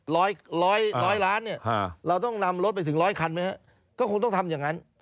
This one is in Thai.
ร้อยร้อยล้านเนี่ยเราต้องนำรถไปถึงร้อยคันไหมฮะก็คงต้องทำอย่างนั้น